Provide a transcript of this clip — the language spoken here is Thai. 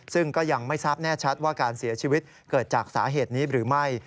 ซึ่งก็ยังไม่ทราบแน่ชัดว่าการเสียชีวิตเกิดจากสาเหตุนี้หรือไม่